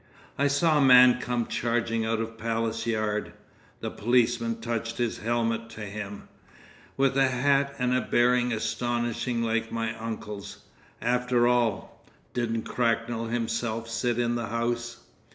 I saw a man come charging out of Palace Yard—the policeman touched his helmet to him—with a hat and a bearing astonishingly like my uncle's. After all,—didn't Cracknell himself sit in the House?